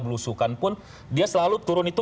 belusukan pun dia selalu turun itu